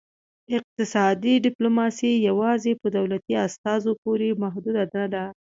اقتصادي ډیپلوماسي یوازې په دولتي استازو پورې محدوده نه ده